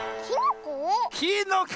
きのこ？